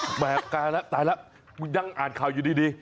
แหมตายแล้วตายแล้วมึงยังอ่านข่าวอยู่ดี